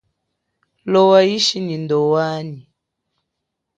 Lowa ishi nyi ndowanyi.